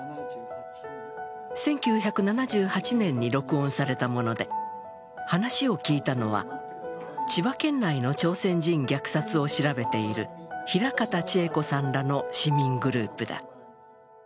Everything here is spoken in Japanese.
１９７８年に録音されたもので話を聞いたのは、千葉県内の朝鮮人虐殺を調べている平形千恵子さんらの市民グループだ。